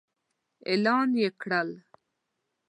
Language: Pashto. اعلان يې کړل.